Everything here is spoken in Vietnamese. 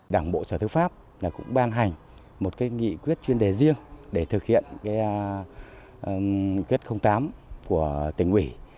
đảng bộ sở thức pháp cũng ban hành một nghị quyết chuyên đề riêng để thực hiện kết tám của tỉnh ủy